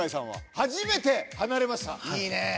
初めて離れましたいいね